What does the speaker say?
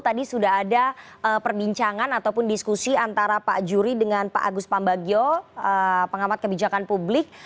tadi sudah ada perbincangan ataupun diskusi antara pak juri dengan pak agus pambagio pengamat kebijakan publik